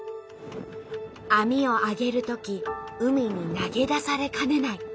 網をあげるとき海に投げ出されかねない。